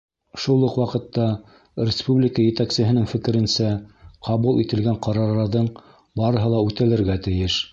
Шул уҡ ваҡытта республика етәксеһенең фекеренсә, ҡабул ителгән ҡарарҙарҙың барыһы ла үтәлергә тейеш.